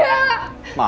kasih tahu saya kenapa dia